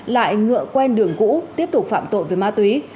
lại ngựa quen đường cũ tiếp tục phạm tội về ma túy